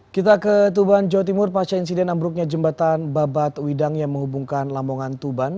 kita ke tuban jawa timur pasca insiden ambruknya jembatan babat widang yang menghubungkan lamongan tuban